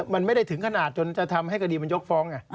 มันไม่ได้ถึงขนาดจนจะทำให้คดีมันยกฟ้องไง